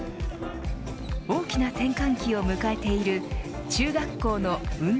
大きな転換期を迎えている中学校の運動